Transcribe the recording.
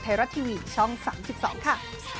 ที่ช่อง๓๒ค่ะ